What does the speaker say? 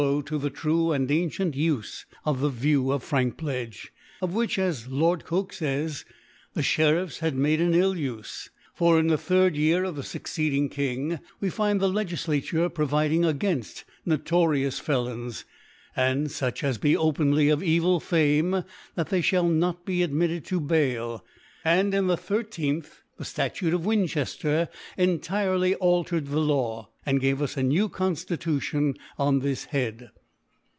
ow to the true and ancient Ufc of the View of Frankpledge *, of which as Lord Coke fays j:, the SherifFs had made an ill Ufc: for^ in the 3d Year of the fuc ceeding King (|, we find the Legiflaturc providing againft notorious Felons, and luch as be openly of evil Fame, that they fhali not be admitted to Bail ; and, in the 13th, the Statute of Wincbejter entirely al tered the Law, and gave us a new Confti tution on this Head.